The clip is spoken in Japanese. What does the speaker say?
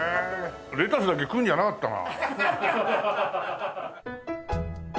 レタスだけ食うんじゃなかったな。